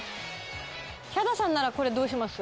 ヒャダさんならこれどうします？